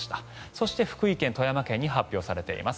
そして福井県、富山県に発表されています。